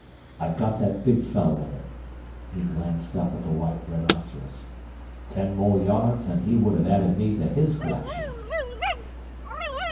"I got that big fellow with it." He glanced up at the white rhinoceros. "Ten more yards, and he'd would have added me to HIS collection.